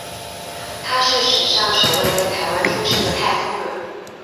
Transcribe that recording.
他是史上首位在台湾出生的太空人。